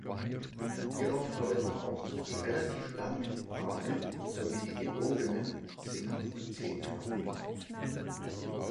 Hierauf deuten auch „die relativ langen Arme sowie die gebogenen Finger- und Zehenknochen“ hin.